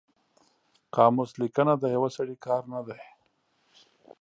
قاموس لیکنه د یو سړي کار نه دی